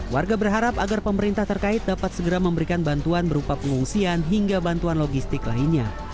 warga berharap agar pemerintah terkait dapat segera memberikan bantuan berupa pengungsian hingga bantuan logistik lainnya